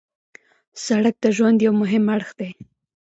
سړک د ژوند یو مهم اړخ دی.